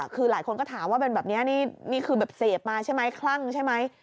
คือหลายคนก็ถามว่าเป็นแบบนี้นี่คือแบบเสพมาใช่ไหมคลั่งใช่ไหม